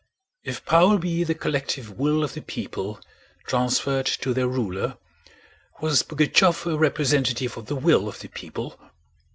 If power be the collective will of the people transferred to their ruler, was Pugachëv a representative of the will of the people?